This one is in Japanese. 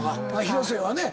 広末はね。